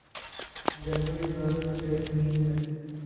جنوري سال ءَ جو پھريون مھينو ائي.